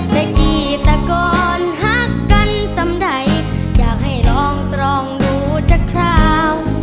แต่กี่แต่ก่อนฮักกันสำใดอยากให้ลองตรองดูจากคราว